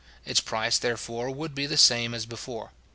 Its price, therefore, would be the same as before.